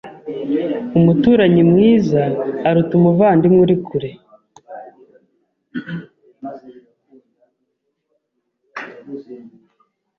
Umuturanyi mwiza aruta umuvandimwe uri kure.